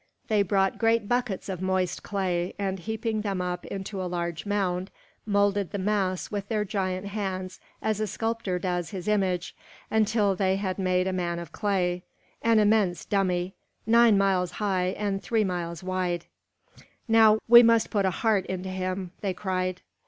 They brought great buckets of moist clay, and heaping them up into a huge mound, moulded the mass with their giant hands as a sculptor does his image, until they had made a man of clay, an immense dummy, nine miles high and three miles wide. "Now we must make him live; we must put a heart into him!" they cried.